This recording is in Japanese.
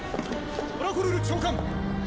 ドラコルル長官！